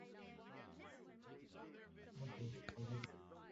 Chart positions are from the Kent Music Report unless otherwise stated.